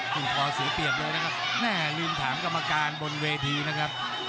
คอเสียเปรียบเลยนะครับแม่ลืมถามกรรมการบนเวทีนะครับ